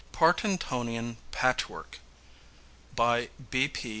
PARTINGTONIAN PATCHWORK BY B.P.